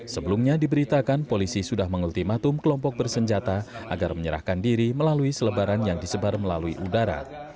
sebelumnya diberitakan polisi sudah mengultimatum kelompok bersenjata agar menyerahkan diri melalui selebaran yang disebar melalui udara